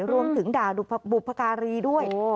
รวมถึงด่าบุพการีด้วย